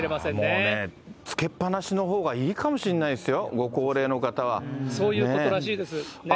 もうね、つけっぱなしのほうがいいかもしれないですよ、ご高そういうことらしいです。